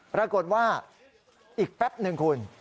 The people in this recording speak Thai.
ปรากฏว่าอีกแป๊บหนึ่งคุณ